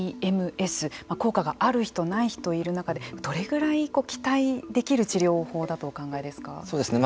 効果がある人、ない人がいる中でどれくらい期待できる治療法だとお考えですか。